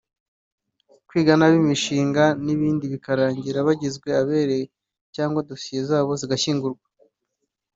kwiga nabi imishinga n’ibindi bikarangira bagizwe abere cyangwa dosiye zabo zigashyingurwa